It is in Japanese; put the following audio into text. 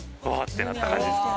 てなった感じですね。